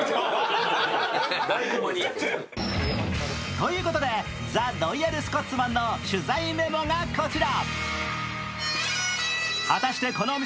ということで、ザ・ロイヤルスコッツマンの取材メモがこちら。